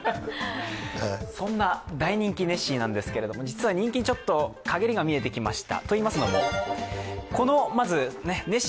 そんな大人気ネッシーなんですけれども実は人気に、陰りが見えてきました。